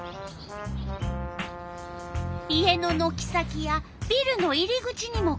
家ののき先やビルの入り口にも来る。